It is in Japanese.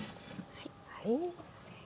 はい。